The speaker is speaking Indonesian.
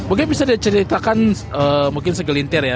oke bisa diceritakan mungkin segelintir ya